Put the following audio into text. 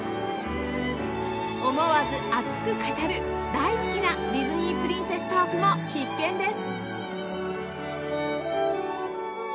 思わず熱く語る大好きなディズニープリンセストークも必見です